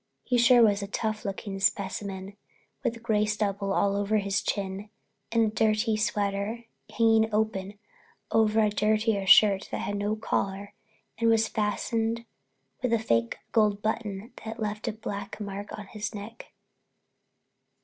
He sure was a tough looking specimen with a gray stubble all over his chin, and a dirty sweater hanging open over a dirtier shirt that had no collar and was fastened with a fake gold button that left a black mark on his neck.